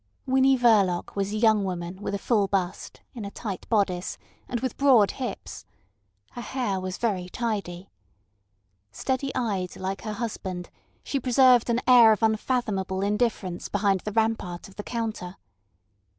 Winnie Verloc was a young woman with a full bust, in a tight bodice, and with broad hips. Her hair was very tidy. Steady eyed like her husband, she preserved an air of unfathomable indifference behind the rampart of the counter.